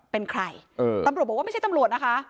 เป็นใครตำรวจบอกว่าไม่ใช่ตำรวจนะคะ